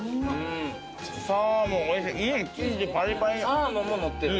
サーモンものってる？